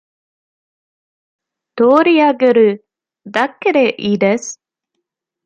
取り上げるだけでいいです。